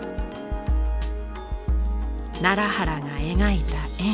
奈良原が描いた円